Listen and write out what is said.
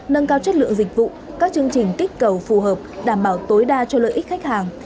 nâng cao chất lượng dịch vụ các chương trình kích cầu phù hợp đảm bảo tối đa cho lợi ích khách hàng